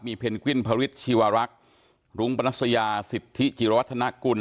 มีเพนกวิ่นพริษชีวรักษ์รุงปรนัสยาสิทธิจิรวรรษธนกุล